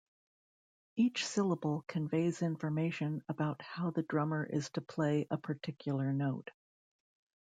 Each syllable conveys information about how the drummer is to play a particular note.